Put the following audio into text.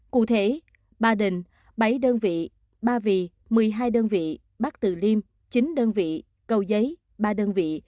cụ thể ba đình bảy đơn vị ba vị một mươi hai đơn vị bác tử liêm chín đơn vị cầu giấy ba đơn vị